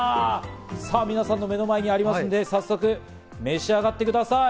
さぁ皆さんの目の前にありますので、早速、召し上がってください。